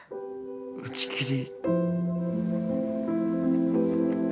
打ち切り。